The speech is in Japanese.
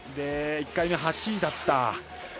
１回目、８位だった。